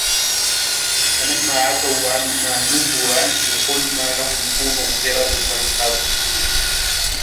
فَلَمَّا عَتَوْا عَنْ مَا نُهُوا عَنْهُ قُلْنَا لَهُمْ كُونُوا قِرَدَةً خَاسِئِينَ